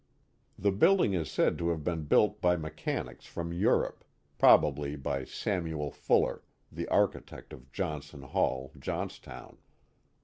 *' Guy Park and Fort Johnson 139 The building is said to have been built by mechanics from Europe, probably by Samuel Fuller, the architect of Johnson Hall, Johnstown.